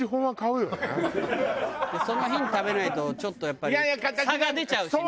その日に食べないとちょっとやっぱり差が出ちゃうしね。